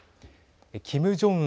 キム・ジョンウン